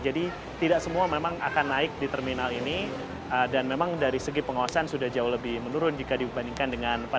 jadi tidak semua memang akan naik di terminal ini dan memang dari segi pengawasan sudah jauh lebih menurun jika dibandingkan dengan pada libur natal dan tahun baru